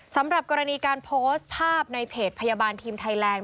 สำหรับกรณีการโพสต์ภาพในเพจพยาบาลทีมไทยแลนด